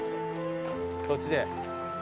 そっちで。